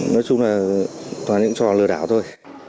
nói chung là toàn những trò lừa đảo thôi